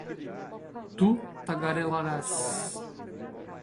Tú tagarelarás